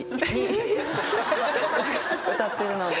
歌ってるので。